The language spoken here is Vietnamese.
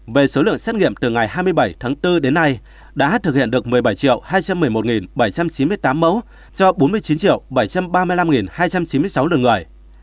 về số lượng xét nghiệm từ ngày hai mươi bảy tháng bốn đến nay đã thực hiện được một mươi bảy hai trăm một mươi một bảy trăm chín mươi tám mẫu cho bốn mươi chín bảy trăm ba mươi năm hai trăm chín mươi sáu lượt người